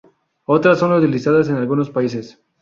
Otras son utilizadas en algunos países.